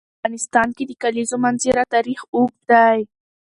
په افغانستان کې د د کلیزو منظره تاریخ اوږد دی.